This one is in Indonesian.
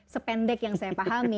sependek yang saya pahami